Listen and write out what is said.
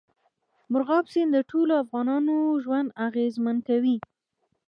مورغاب سیند د ټولو افغانانو ژوند اغېزمن کوي.